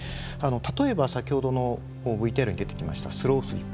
例えば先ほどのＶＴＲに出てきましたスロースリップ。